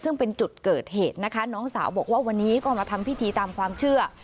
ซึ่งเป็นจุดเกิดเหตุนะคะน้องสาวบอกว่าวันนี้ก็มาทำพิธีตามความเชื่อ